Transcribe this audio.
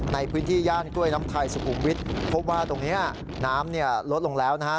ในพื้นที่ย่านกล้วยน้ำไทยสุขุมวิทย์พบว่าตรงนี้น้ำเนี่ยลดลงแล้วนะฮะ